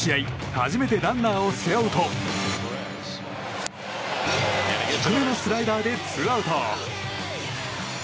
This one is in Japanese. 初めてランナーを背負うと低めのスライダーでツーアウト。